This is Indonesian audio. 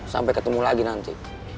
sampai ketemu lagi nanti